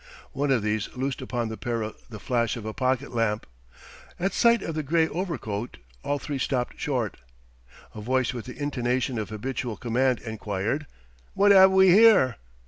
One of these loosed upon the pair the flash of a pocket lamp. At sight of the gray overcoat all three stopped short. A voice with the intonation of habitual command enquired: "What have we here?"